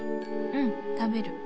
うん食べる。